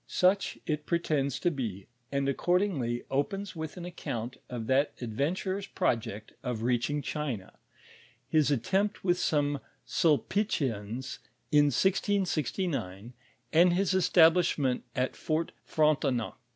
Such it pretends to be, nnJ accordingly opens with an account of that ndven .urer's project of reaching China, his ottempt with some Sulpitians, iu 1669, imd his establishment at Fort Frontcnac.